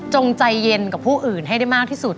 ใจเย็นกับผู้อื่นให้ได้มากที่สุด